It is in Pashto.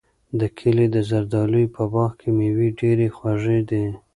د کلي د زردالیو په باغ کې مېوې ډېرې خوږې دي.